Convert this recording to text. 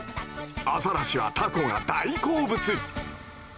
アザラシはタコが大好物！